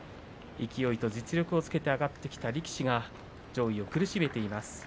勢いと実力をつけて上がってきた力士が上位を苦しめています。